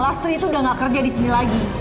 lastri itu udah gak kerja di sini lagi